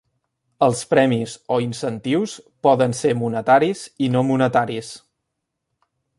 Els premis, o incentius, poden ser monetaris i no monetaris.